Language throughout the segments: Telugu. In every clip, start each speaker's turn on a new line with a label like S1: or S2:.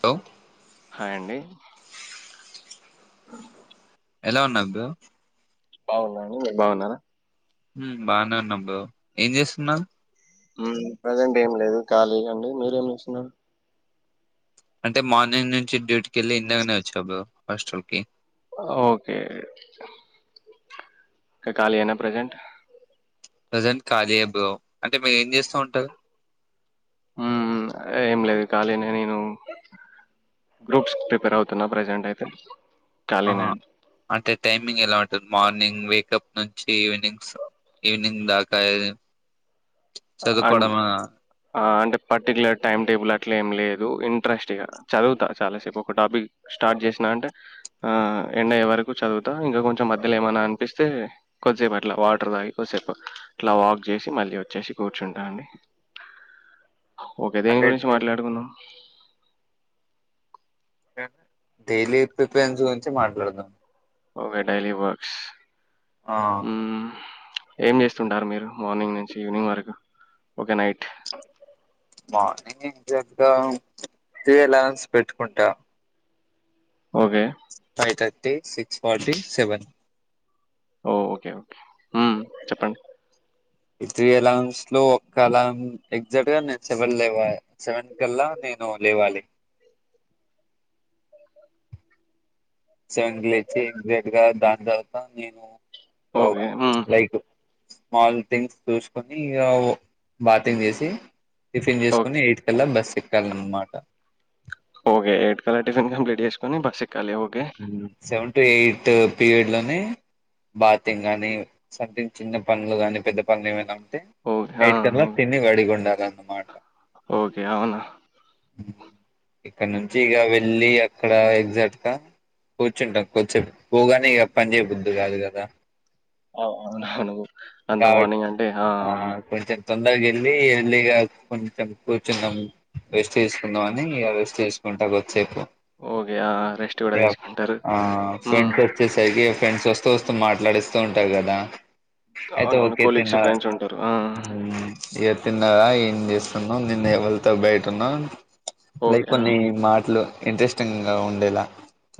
S1: బ్రో
S2: హాయ్ అండి
S1: ఎలా ఉన్నారు బ్రో
S2: బాగున్నాండి మీరు బాగున్నారా
S1: బానే ఉన్నానా బ్రో ఏం చేస్తున్నావ్
S2: ప్రజెంట్ ఏం లేదు ఖాళీ అండి మీరేం చేస్తున్నారు
S1: అంటే మార్నింగ్ నుంచి డ్యూటీకి వెళ్ళి ఇందకనే వచ్చా బ్రో హాస్టల్ కి
S2: ఓకే కాలి ఎనా ప్రెజెంట్
S1: ప్రజెంట్ ఖాళీ ఎ బ్రో అంటే మీరు ఏం చేస్తూ ఉంటారు
S2: ఉమ్ ఉమ్ ఏం లేదు ఖాళీనే నేను గ్రూప్స్ ప్రిపేర్ అవుతున్నా ప్రెజెంట్ అయితే ఖాళీనే
S1: ఆహా
S2: అండి
S1: అంటే టైమింగ్ ఎలా ఉంటుంది మార్నింగ్ వేకప్ ను చి ఇవినింగ్స్ ఇవినింగ్ దాకాయ
S2: and uh and particular time table అట్లా ఏం లేదు ఇంట్రెస్ట్ చదువుతా చాలాసేపు ఒక టాపిక్ స్టార్ట్ చేసినే అంటె ఎండ్ అయ్యే వరకు చదువుతా ఇంకా కొంచెం మధ్యలో ఏమనా అనిపిస్తే కొద్దిసేపు అట్ల వాటర్ తాగి కొద్దిసేపు అట్ల వాక్ చేసి మళ్ళీ వచ్చేసి కూర్చుంట అండి ఓకె దేని
S1: అంటే
S2: గురించి మాట్లాడుకుంద
S1: డైలీ ప్రిపరెన్స్ గురించి మాట్లాడుదాం
S2: ఓకే డైలీ వర్క్స్
S1: ఆ
S2: హ్మ్. ఏం చేస్తుంటారు మీరు మార్నింగ్ నుంచి ఈవినింగ్ వరకు ఒకే నైట్
S1: మార్నింగ్ ఎగజాక్ట్ గా త్రీ ఎలాన్స్ పెట్టుకుంటా
S2: ఓకే.
S1: అయితయ సిక్స్ ఫార్టీ సెవెన్
S2: ఓ ఓకె ఓకే చెప్పండి
S1: ఈ త్రీ అలాార్మ్స్ లో ఒక్క అలమ్ ఎగ్జాక్ట్ గానే సెవెన్ లేవ సెవెన్ కల్ల నేను లేవాలి సెవెన్ కి లేచి ఎక్సాక్ట్ గా దర్సాన్ నేను ఒ
S2: ఓకే. హ్మ్.
S1: నైటు స్మాల్ థింగ్స్ చూసుకొని ఇగ బాతింగ్ చేసి టిఫిన్
S2: ఓక్
S1: చేస్కుని ఎయిట్ కలా బస్క్ డార్లింగ్ మాట
S2: ఒకె ఏ యిట్ కల్ల టిఫన్ కంప్లీట్ చేేసుకని బస్క్
S1: సెవెన్ టు ఎయిట్ తెవ్ పీరియడ్ లేనే బాతింగ్ అనీ సంథింగ్ చిన్న పనులు గాని పెద్ద పనులు ఏవైనా తే
S2: ఓకే. ఆ!
S1: ఎయిట్ కల్ల తిని రెడీగా ఉండాలి దం ది మాట
S2: ఓకె అవున
S1: ఇక్కడ నుంచి ఇగ వెళ్లి అక్కడ ఎగ్జాక్ట్ గా కూర్చుంటాం కొందసెపు పోగానే ఇగ పని చేయబుద్ది కాదు కదా
S2: అవు అవును అంత మార్నింగ్ అంటే ఆ అవును
S1: తొందర్గ ఎళ్లి ఎర్లీగా కొంచం కూర్చున్నాము రెస్ట్ తీసుకుందాం అని ఇగ రెస్ట్ తీసుకుంటా కొద్దిసేపు
S2: ఓకే. ఆ! రెస్ట్ గూడా
S1: ఇగ
S2: తీసుకుంటారు.
S1: ఆ
S2: హ్మ్.
S1: ఫ్రెంట్ వచ్చే సరికి ఫ్రెండ్స్ వస్తు వస్తు మాట్లాడిస్తూ ఉంటారు కదా అయితే
S2: అవునవును.
S1: ఒకే
S2: కొలీగ్స్,
S1: తిన్నా
S2: ఫ్రెండ్స్ ఉంటారు. ఆ!
S1: ఇద తిన్నార ఏం చేస్తున్నాం నిన్న ఎవలితో బయట్ వెళ్తున్నావ్ లైక్
S2: ఓకే. ఆ!
S1: కొన్ని మాట్లు ఇంట్రెస్టింగ్లా ఉండేలా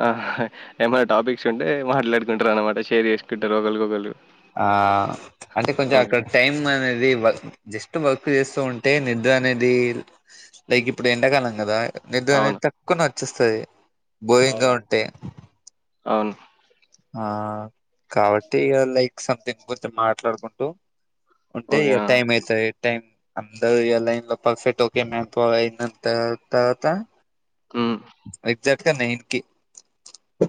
S2: ఆహా ఏమైనా టాపిక్స్ ఉంటే మాట్లాడుకుంటారు అనమాట షేర్ చేసుకుంటారు ఒగల్ ఓగాలు
S1: ఆ అంటే కొంచం అక్కడ టైమ్ అనేది వర్క్ జస్ట్ వర్క్ చేస్తుంటే నిద్ర అనేది లైక్ ఇప్పుడు ఎండకాలం కదా నిద్ర
S2: అవును.
S1: అనేది తక్కువ నాక్ చేస్తది బోయి
S2: అవును.
S1: గావుంటే
S2: అవును.
S1: ఆ కాబట్టి ఇగ లైక్ సంథింగ్ కొంచం మాట్లాడుకుంటూ ఉంటే
S2: ఓకే.
S1: ఇగ
S2: ఆ!
S1: టైం అయితది టైం అందరిది లైలో పర్ఫెక్ట్ ఒకే మేం పొగయినా తరువాత
S2: హ్మ్.
S1: అయిప్ జట్గా నైన్ కి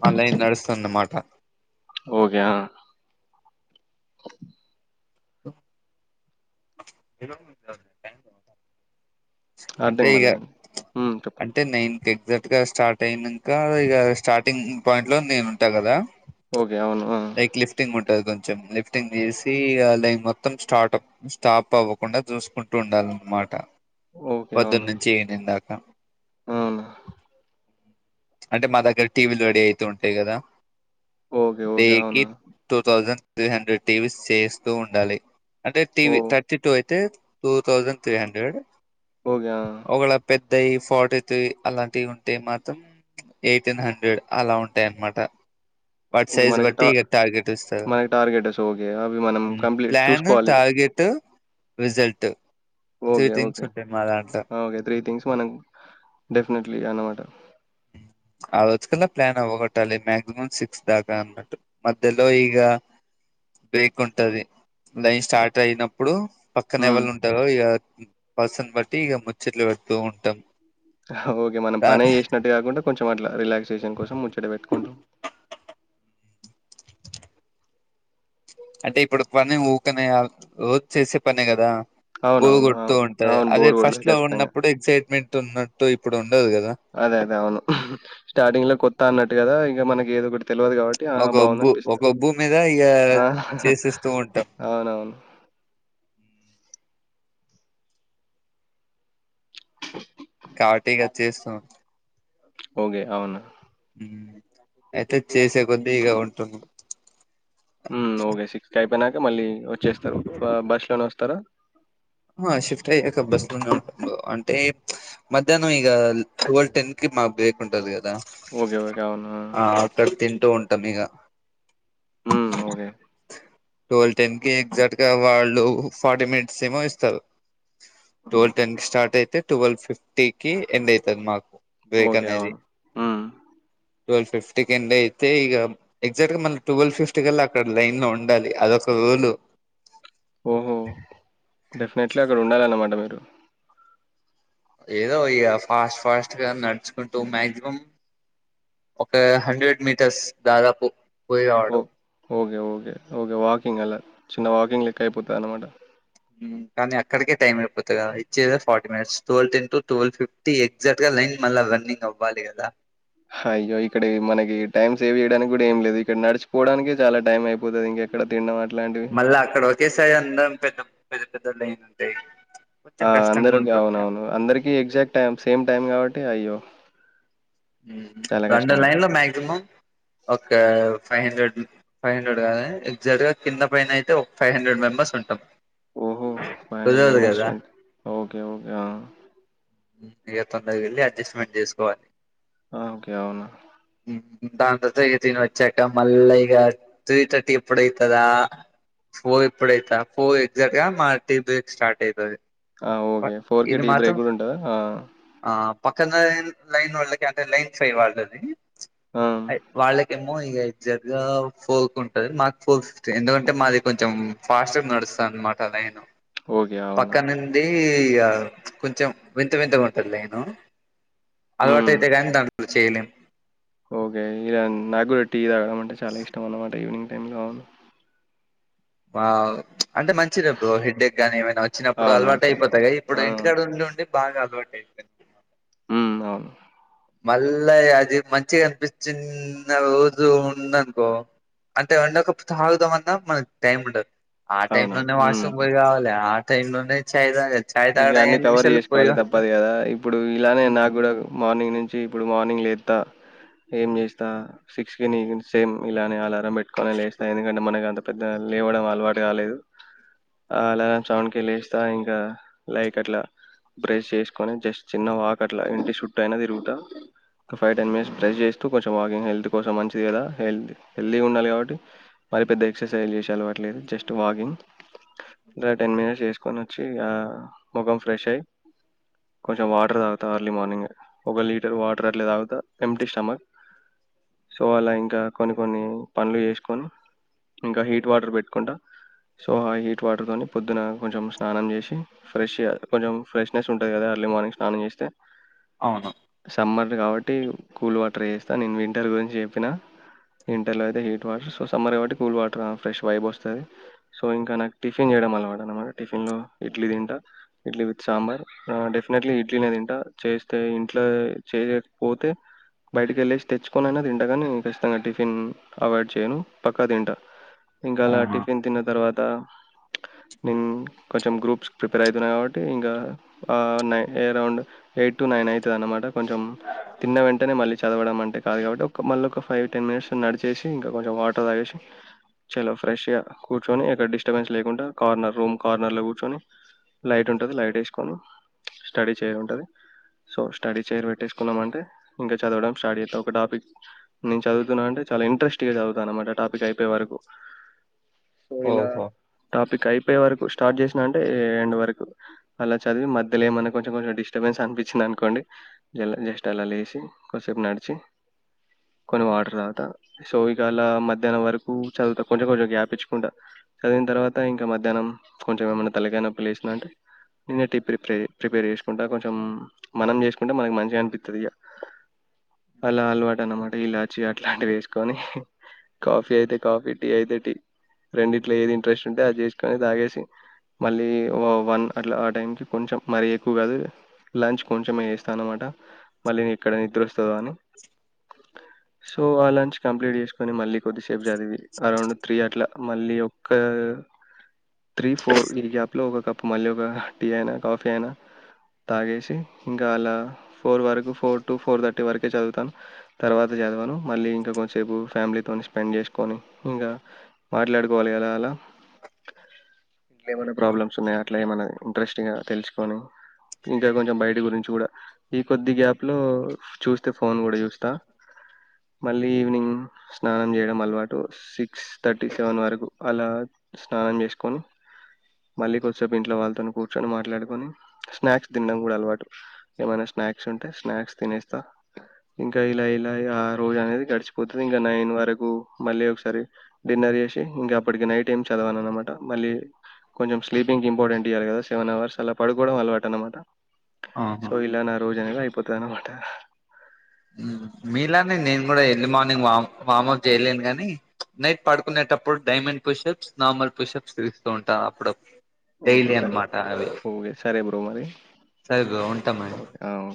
S1: మా లైన్ నడుస్తున్నమాట
S2: ఓగే ఆ
S1: తో జరుయాంగా తరువాత టైం కే ఉండాలి
S2: అర్థం
S1: అంటే ఇగ
S2: కాలేదండి. హ్మ్. చెప్పండి.
S1: అంటే నైన్ కేడ్ వేటకాస్ట్ స్టార్ట్ అయినాక ఇగ స్టార్టింగ్ పాయింట్ లో నేను ఉంటా కదా
S2: ఒకే అవును ఆ!
S1: లైక్ లిఫ్టింగ్ ఉంటది కొంచం లిఫ్టింగ్ తీసి ఇగ లైక్ మొత్తం స్టార్ట్ స్టాప్ అవకుండా చూసుకుంటూ ఉండాలన్నమాట
S2: ఓకే. అవును.
S1: పొందునుచి ఈవినింగ్ దాక్ ద
S2: అవును.
S1: అంటే మా దగ్గర టీవీలు రడీ అయితావుంటాయి కదా
S2: ఓకే. ఓకే.
S1: కి
S2: అవునా?
S1: Two thousand three hundred TVs చేయిస్తూ ఉండాలి అంటే టీవ
S2: ఓహ్!
S1: థర్టీ టూ అయితే టూ థౌజండ్ త్రీ హండ్రెడ్
S2: పోగ్యా
S1: ై ఫోట్తు అలాంటివి ఉంటే మాత్రం ఎయిటీన్ హండ్రెడ్ అలా ఉంటాయి అన్నమాట వాట్
S2: ఓకే.
S1: సైజ్
S2: మనకి
S1: బట్టి
S2: టా
S1: ఇక టార్గెట్ ఇస్తారు
S2: మనకి టార్గెటస్ ఓకే. అవి మనం కంప్లీట్
S1: ప్లాన్
S2: చూసుకోవాలి.
S1: Target result three
S2: okay
S1: things
S2: okay
S1: ఉంటాయి మా దాంట్లో
S2: ఓకే త్రీ థింగ్స్ మనం డెఫినెట్లీ అన్నమాట
S1: ఆజకల్ ప్లాన్ట్ట అాలి మ్యాక్సిమమ్ సిక్స్ దాకా అన్మాట్టు మధ్యలో ఈగ బక్ ఉంటది లైన్ స్టార్ట్ అయినప్పుడు పక్కన
S2: హ్మ్.
S1: ఎవళ ఉంటారు ఇ పసను బట్టి ఇక ముచ్చట్లు పెడుతూ ఉంటాం
S2: ఓకే మనం
S1: దా
S2: పనే చేసినట్టు కాకుండా కొంచెం అట్లా రిలాక్సేషన్ కోసం ముచ్చట పెట్టుకుంటామ్.
S1: అంటే ఇప్పుడు పని ఊకనే కాద్ రోజ్ చేసే పనే కదా బోరు
S2: అవునవును
S1: కొడుతూ
S2: అవును
S1: ఉంటది
S2: అవును
S1: అదే
S2: బోర్ కొడతది
S1: ఫస్ట్ లో
S2: ఖచ్చితంగా
S1: ఉన్నప్పుడు ఎక్సైట్మెంట్ ఉన్నట్టు ఇప్పుడు ఉండదు కదా
S2: అదే అదే అవును స్టార్టింగ్ లో కొత్త అన్నట్టు కదా ఇంగ మనకి ఏదోకటి తెలవదు కాబట్టి ఆ
S1: ఒక ఒబ్బు ఒక
S2: బాగుందనిపిస్తది
S1: ఒబ్బు మీద ఇగ
S2: ఆ
S1: చేసేస్తూ ఉంటాం
S2: అవునవును.
S1: కాబట్టి ఇగ చేస్తాం.
S2: ఓగే అవును.
S1: మ్ అయితే చేసే కొద్ది ఇగ ఉంటుంది.
S2: మ్మ్ ఓగే సిక్స్ కైపేనక ఇగ మళ్ళీ వచ్చేస్తారు బస్ లోనే వస్తారా
S1: ఆహా శిఫ్ట్ అయ్యాక బస్ లోనే ఉంటా అంటే మధ్యాహ్నం ఇగ టవ్వ్ టెన్ కి మాక్ బ్రేక్ ఉంటది గదా దా
S2: ఓకే. ఓకే. అవును.
S1: ఆ అక్కడ తింటూ ఉంటు ట మీగా
S2: హుమ్ ఓకే
S1: ట్వల్ టెన్కి ఎగ్జాక్ట్ గా వాళ్ళు ఫార్టీ మినిట్స్ ఏమో ఇస్త స్తరు టువల్ టెన్ కి స్టార్ట్ అయితే ట్వెల్వ్ ఫిఫ్టీ కి ఎండ్ అయితది మాకు
S2: ఓకే అవును. మ్మ్
S1: ట్వల్ ఫిఫ్టీకీ ఎండ్ అయితే ఇక ఎగ్జాక్ట్ గా మనం ట్వెల్వ్ ఫిఫ్టీ కల్లా అక్కడ లైన్ ఉండాలి అదొక రూలు
S2: ఓహో డెఫినెట్లీ అక్కడ ఉండాలన్నమాట మేం టు
S1: ఏదో ఇగ ఫాస్ట్ ఫాస్ట్గా నడ్చుకుంటూ మాక్సిమం ఒక హండ్రెడ్ మీటర్స్ దాదాపు పోయి రావడం.
S2: Oh okay okay okay walking అలా చిన్న వాకింగ్ లెక్క అయిపోతదన్నమాట
S1: ఉ కానీ అక్కడికే టైం అయిపోతది కదా ఇచ్చేదే forty minutes twelve ten to twelve fifty ఎగ్జాక్ట్గా లైన్ మళ్ళీ రన్నింగ్ అవ్వాలి కదా
S2: హాయ్యో ఇక్కడికి మనకి టైం సేవ్ చేయడానికి కూడా ఏం లేదు ఇక్కడ నడిచిపోవడానికిే చాలా టైం అయిపోతది ఇంకెక్కడ తిండం
S1: మళ్ళ అక్కడ ఒకేసారి అందరం పెద్ద పెద్ద పెద్ద లేైన్ ఉంటయి.
S2: ఆ అందరికి అవునవును అందరికి ఎగ్జాక్ట్ టైం సేమ్ టైమ్ కాబట్టి అయ్యో
S1: ఊ
S2: చాలా కష్టమే.
S1: రెండోలైన్లో మాక్సిమం ఒక ఫైవ్ హండ్రెడ్ ఫైవ్ హండ్రెడ్ కాగానీ ఎగ్జాక్ట్ గా కింద పైన అయితే ఒక ఫైవ్ హండ్రెడ్ మెంబర్స్ ఉంటాం
S2: ఓహో ఫైవ్ హండ్రెడ్
S1: కుదరదు
S2: మెంబెర్స్
S1: కదా
S2: రన్ ఓకే ఓకే ఆ
S1: ఇక తొందరగేళ్ళి అడ్జస్ట్మెంట్ చేసుకోవాలి.
S2: ఓకే అవునా
S1: ఉమ్, దాని తర్వాత ఇగ తిని వచ్చాక మళ్ళ ఇగ త్రీ థర్టీ ఎప్పుడయితదా ఫోర్ ఎప్పుడైతా ఫోర్ ఎగ్జాక్ట్ గా మా టీ బ్రేక్ స్టార్ట్ అయితది.
S2: ఆ ఓకే ఫోర్ కి
S1: ఇది
S2: టీ
S1: మాత్రం
S2: బ్రేక్ కూడా ఉంటదా ఆ
S1: ఆ పక్క లై లైన్ వాళ్ళకి అంటే లైన్ ఫైవ్ వాళ్ళది
S2: ఆ!
S1: అయ్ వాళ్ళకం మే ఇగ ఎగ్జెక్ట్ గా ఫోల్కు ఉంటది మాకు ఫోల్ ఫిఫ్టీ ఎందుకంటే మాది కొంచెం ఫాస్ట్గా నడుస్తాది అన్నమాట లైను
S2: ఓకే అవున
S1: కి ఇగ కొంచెం వింత వింతగుంటది లైను అలవాటైతే గానీ దాంట్లో చేయలేము
S2: ఒకే ఇగ నాగ్గుడా టి తాగ డం అంటే చాలా ఇష్టమన్నమాట ఈవినింగ్ టైంలో
S1: వావ్ అంటే మంచిదే బ్రో హెడ్డెక్ గానీ ఏమైనా వచ్చినప్పుడు
S2: అవునవును. చాలా.
S1: అలువాటైపోతాయి గా
S2: ఆ!
S1: ఇప్పుడు ఇంటికాడ ఉండి ఉండి బాగా ఫోర్ట్టిన్త్
S2: హు అవును
S1: మళ్ళా అది మంచిగా అనిపిచ్చిన్న రోజు ఉందనుకో అంటే వండక సాగుదాం అన్నా మనకి టైం ఉండదు ఆ టై
S2: అవునవును.
S1: లోనే వాష్
S2: హ్మ్.
S1: రూమ్ పోయిరావాలె ఆ టైమ్ లైన్ చాయ్ తా
S2: ఇగ అన్ని కవర్ చేసుకోవాలి తప్పదు కదా ఇప్పుడు ఇలానే
S1: ఉహు,
S2: నాకు కూడా మార్నింగ్ నుం చి ఇప్పుడు మార్నింగ్ లేత్త ఏం చేస్తా సిక్స్కి నీ సేమ్ ఇలానే అలారం పెట్టుకొని లేస్తా ఎందుకంటే మనకు అంత పెద్ద లేవడం అలవాటు కాలేదు ఆ అలారం సౌండ్కి లేస్తా ఇంకా లైక్ అట్లా బ్రష్ చేసుకొని జస్ట్ చిన్న వాక్ అట్లా ఇంటి షుట్టటు అయిన తరుగుతా ఫైవ్ టెన్ మినిట్స్ బ్రష్ చేస్తూ కొంచెం వాకింగ్ హెల్త్ కోసం మంచిది కదా హెల్త్ హెల్తీగా ఉండాలి కాబట్టి మరి పెెద్ద ఎక్సర్సైజ్ చేసాల అట్లేదు జస్ట్ వాకింగ్ టెన్ మినిట్స్ చేసుకొని వచ్చి ముఖం ఫ్రెష్ అయ్యి కొంచెం వాటర్ తాగుతా అర్లీ మార్నింగే ఒక లీటర్ వాటర్ అట్ల తాగుతా ఎంటీ స్టమక్ సో అలా ఇంకా కొన్ని కొన్ని పనులు చేసుకొని ఇంకా హీట్ వాటర్ పెట్టుకుంటా సో ఆ హీట్ వాటర్తోని పొద్దున కొంచెం స్నానం చేసి ఫ్రెష్ గా కొంచం ఫ్రెష్నెస్ ఉంటుంది కదా ఎర్లీ మార్నింగ్ స్నానం చేస్తే
S1: అవును
S2: సమ్మర్లు కాబట్ ట్టి కూల్ వాటర్ వేస్తాను నేను వింటర్ గురించి చెప్పిన ఇంటర్లో అయితే హీట్ వాటర్ సో సమ్మర్ కాబట్టి కూల్ వాటర్ ఫ్రెష్ వైబ్ వస్తుంది సో ఇంకా నాకు టిఫిన్ చేయడం అలవాటన్నమాట టిఫిన్లో ఇడ్లీ తింటా ఇడ్లీ విత్ సాంబార్ డెఫినెట్లీ ఇడ్లీనే తింట చేస్తే ఇంట్ల చేయ్యాక పోతే బయటికేళ్ళేసి తెచ్చుకొనైనా తింటగాని ఖచ్చితంగా టిఫిన్ అవాయిడ్ చేయను ప క్క తింట ఇంకా అల
S1: అవునా
S2: టిఫిన్ తిన్న తర్వత్ త నేను కొంచెం గ్రూప్స్ ప్రిపేర్ అవుతున్నా కాబట్టి ఇంకా ఆ నై అరౌండ్ ఎయిట్ టు నైన్ అవుతది అన్నమాట కొంచెం తిన్న వెంటనే మళ్ళీ చదవడం అంటే కాదు కాబట్టి ఒక మళ్ళీ ఒక ఫైవ్ టెన్ మినిట్స్ నడిచేసి ఇంకా కొంచెం వాటర్ తాగేసి చలో ఫ్రెష్గా కూర్చొని ఇక్కడ డిస్టర్బెన్స్ లేకుండా కార్నర్ రూమ్ కార్నర్లో కూర్చొని లైట్ ఉంటుంది లైట్ వేసుకోని స్టడీ చేర్ ఉంటుంది సో స్టడీ చేర్ పెట్టేసుకున్నామంటే ఇంకా చదవడం స్టట్ చేస్తా ఒక టాపిక్ నేను చదువుతున్నా అంటే చాలా ఇంట్రెస్టింగ్గా చదువుతా అన్నమాట టాపిక్ అయిపోే వరకు ోయిలా
S1: ఓహో
S2: టాపిక్ అయిపోయే వారుకు స్టార్ట్ చేసిన టే ఎండ్ వరకు అలా చదివి మధ్యలేమాన్నా కొంచెం కొంచెం డిస్టర్బెన్స్ అనిపించింది అనుకోండి జస్ట్ అలా లేచి కొద్దిసేపు నడిచి కొన్ని వాటర్ తాగుతా సో ఇక అలా మధ్యాహ్నం వరకు చదువుతా కొంచెం కొంచెం గ్యాప్ ఇచ్చుకుంటా చదివిన తర్వాత ఇంకా మధ్యాహ్నం కొంచెం ఏమన్న తలకాయ్ నొప్పులేససిందంటే నిన్న టీ ప్రిపే ప్రిపేర్ చేసుకుంటా కొంచెం మనం చేసుకుంటే మనకు మంచిగా అనిపిస్తది ఇగ అలా అలవాటు అన్నమాట ఇలాచి అట్లాంటివి వేసుకొని కాఫీ అయితే కాఫీ టీ అయితే టీ రెండిట్లో ఏది ఇంట్రెస్ ంటే అది చేసుకొని తాగేసి వన్ అట్లా ఆ టైం కి కొంచెం మరీ ఎక్కువ కాదు లంచ్ కొంచమే చెస్తాను మాట మళ్ళీ ఇక్కడ నిద్ర వస్తదో అని సో ఆ లంచ్ కంప్లీట్ చేసుకొని మళ్ళీ కొద్దిసే ప్ చదివి అరౌండ్ త్రీ అట్లా మళ్ళీ ఒక్క ఫర్ ఇయాప్ లోకప్ ప్పు మళ్ళీ ఒక టీ అయినా కాఫీ అయినా తాగేసి ఇంకా అలా ఫోర్ వరకు ఫోర్ టు ఫోర్ థర్టీ వరకే చదువుతాను తర్వాత చదివాను మళ్ళీ ఇంకా కొంచసేపు ఫ్యామిలీతో స్పెండ్ చేసుకొని ఇంకా మాట్లాడుకోవాలి కలా అలా ఇంట్ ఏమైనా ప్రాబ్లమ్స్ ఉన్నాయా అట్లా ఏమ ఇంట్రెస్టి తెలుసుకొని ఇంకా కొంచెం బయట గురించి కూడా ఈ కొద్ది గ్యాప్ లో చూస్త తే ఫోన్ కూడా ూజస్తా మళ్ళీ ఈవినింగ్ స్నానం చేయడం అలవాటు టు సిక్స్ థర్టీ సెవెన్ వరకు అలా స్నానం చేసుకొని మళ్ళీ కొద్దిసేపు ఇంట్లో వాళ్ళతోని కూర్చొని మాట్లాడుకొని స్నాక్స్ తినడం కూడా అలవాటు ఏమైనా స్నాక్స్ ఉంటే స్నాక్స్ తినేస్తా ఇంకా ఇలా ఇలా ఆ రోజు అనేది గడిచిపోతుంది ఇంకా నైన్ వరకు మళ్ళీ ఒకసారి డిన్నర్ చేసి ఇంకా అప్పటికి నైట్ ఏం చదవాను అనమాట మళ్ళీ కొంచెం స్లీపింగ్ ఇంపార్టెంట్ ఇయాలి కద సెవెన్ అవర్స్ అలా పడుకోవడం అలవాటు అనమాట
S1: ఆహా
S2: సో ఇలా నాాలు జనంగా ఇయిపోతనా అంత
S1: మీిలాని నేను కూడా ఎర్లీ మార్నింగ్ వామ్ వమప్ చేయలేను ని నైట్ పడుకునేటప్పుడు డైమండ్ పుషప్స్ నార్మల్ పుషప్స్ తీస్తూ ఉంటా అప్పుడు
S2: ఓకే
S1: డైలీ
S2: సార్
S1: అన్నమాట అవి
S2: ఓకే సరే మరి
S1: సరిగా ఉంటామా
S2: ఓకే ఆ,